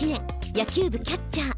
野球部キャッチャー。